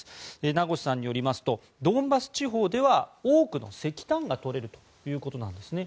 名越さんによりますとドンバス地方では多くの石炭が採れるということなんですね。